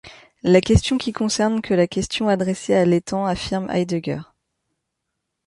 La question qui concerne que la question adressée à l'étant affirme Heidegger.